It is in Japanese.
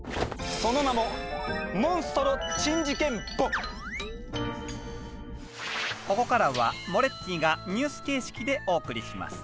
その名もここからはモレッティがニュース形式でお送りします。